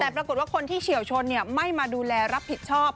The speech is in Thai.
แต่ปรากฏว่าคนที่เฉียวชนไม่มาดูแลรับผิดชอบ